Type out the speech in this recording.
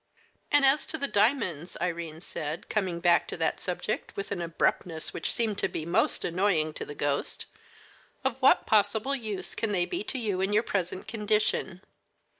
"And as to the diamonds," Irene said, coming back to that subject with an abruptness which seemed to be most annoying to the ghost, "of what possible use can they be to you in your present condition?"